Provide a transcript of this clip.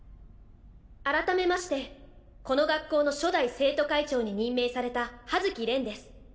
改めましてこの学校の初代生徒会長に任命された葉月恋です。